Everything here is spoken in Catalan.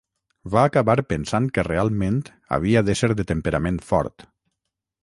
Va acabar pensant que realment havia d'ésser de temperament fort